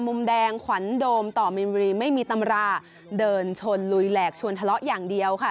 มุมแดงขวัญโดมต่อมินบุรีไม่มีตำราเดินชนลุยแหลกชวนทะเลาะอย่างเดียวค่ะ